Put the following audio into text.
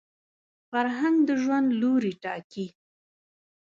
فرهنګ د ژوند لوري ټاکي